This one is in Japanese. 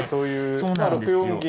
そうなんですよ。